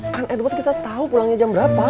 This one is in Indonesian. kan edward kita tahu pulangnya jam berapa